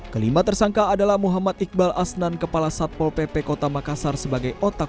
kelima tersangka adalah muhammad iqbal asnan kepala satpol pp kota makassar sebagai otak